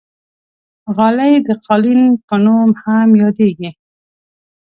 غالۍ د قالین په نوم هم یادېږي.